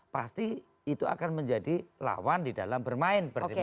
pasti itu akan menjadi lawan di dalam bermain berdemok